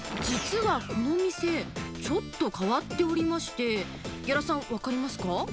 実はこの店、ちょっと変わっておりまして、屋良さん、分かりますか？